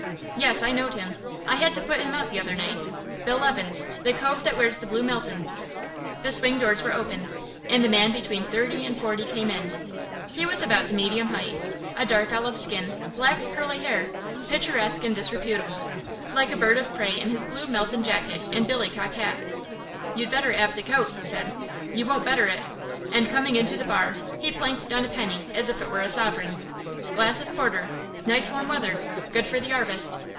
"Yes, I knowed him. I had to put him out the other night Bill Evans, the cove that wears the blue Melton." The swing doors were opened, and a man between thirty and forty came in. He was about the medium height; a dark olive skin, black curly hair, picturesque and disreputable, like a bird of prey in his blue Melton jacket and billycock hat. "You'd better 'ave the coat," he said; "you won't better it;" and coming into the bar he planked down a penny as if it were a sovereign. "Glass of porter; nice warm weather, good for the 'arvest.